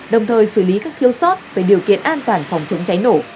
đồng thời xử lý các thiếu sót về điều kiện an toàn phòng chống cháy nổ